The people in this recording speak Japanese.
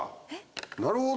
なるほど！